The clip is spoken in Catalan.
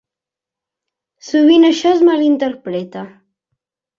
Sovint això es mal interpreta...